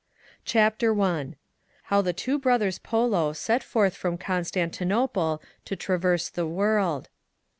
CHAPTER I. How THE Two Brothers Polo set forth from Constantinople TO TRAVERSE THE WORLD.